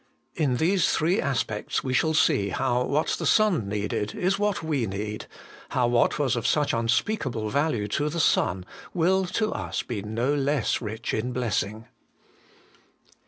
In these three aspects we shall see how what the Son needed is what we need, how what was of such unspeakable value to the Son will to us be no less rich in blessing.